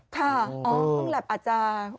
ค่ะอ๋อเพิ่งหลับอาจจะไม่พอ